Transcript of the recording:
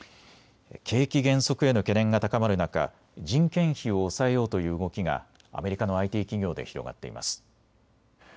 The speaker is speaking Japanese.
景気減速への懸念が高まる中、人件費を抑えようという動きがアメリカのＩＴ企業で広がっています。